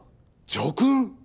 叙勲？